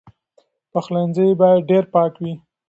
پخلنځی باید ډېر پاک وي.